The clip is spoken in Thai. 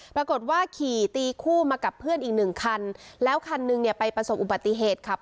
ปรากฏว่าขี่ตีคู่มากับเพื่อนอีกหนึ่งคันแล้วคันนึงเนี่ยไปประสบอุบัติเหตุขับ